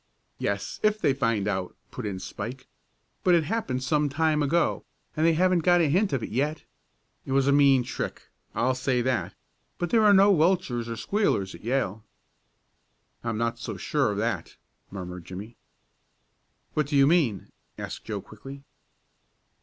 "Yes, if they find out," put in Spike. "But it happened some time ago, and they haven't got a hint of it yet. It was a mean trick I'll say that but there are no welchers or squealers at Yale." "I'm not so sure of that," murmured Jimmie. "What do you mean?" asked Joe quickly.